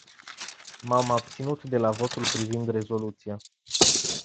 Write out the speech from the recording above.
M-am abținut de la votul privind rezoluția.